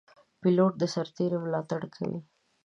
پیلوټ د سرتېرو ملاتړ کوي.